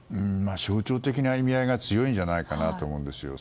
象徴的な意味合いが強いんじゃないかなと思うんです。